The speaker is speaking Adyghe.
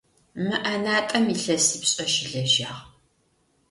Мы ӏэнатӏэм илъэсипшӏэ щылэжьагъ.